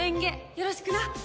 よろしくな！